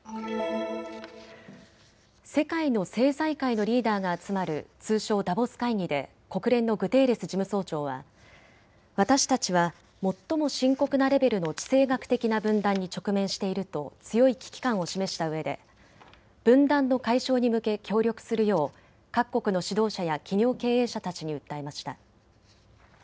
世界の政財界のリーダーが集まる通称、ダボス会議で国連のグテーレス事務総長は私たちは最も深刻なレベルの地政学的な分断に直面していると強い危機感を示したうえで分断の解消に向けて協力するよう各国の指導者や企業経営者たちに訴えました。